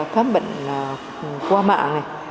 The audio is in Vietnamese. khám bệnh qua mạng